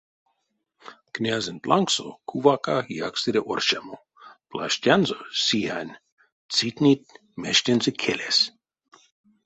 Князенть лангсо кувака якстере оршамо, плаштянзо сиянь, цитнить мештензэ келес.